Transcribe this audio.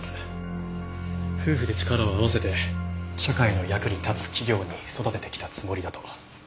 夫婦で力を合わせて社会の役に立つ企業に育ててきたつもりだと。